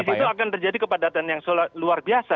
karena disitu akan terjadi kepadatan yang luar biasa